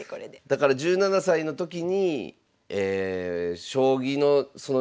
だから１７歳の時に２つの夢を。